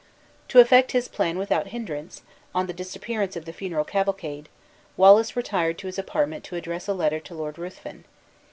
To effect his plan without hinderance, on the disappearance of the funeral cavalcade, Wallace retired to his apartment to address a letter to Lord Ruthven.